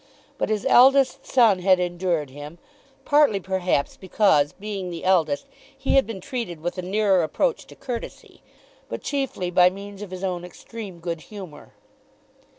But his eldest son had endured him; partly perhaps because, being the eldest, he had been treated with a nearer approach to courtesy, but chiefly by means of his own extreme good humour.